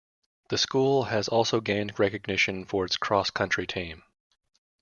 The school has also gained recognition for its Cross Country team.